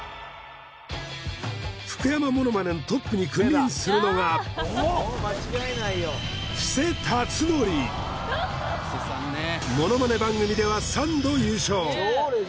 福山モノマネのトップに君臨するのがモノマネ番組では３度優勝